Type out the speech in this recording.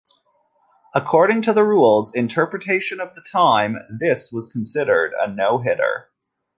According to the rules interpretation of the time, this was considered a no-hitter.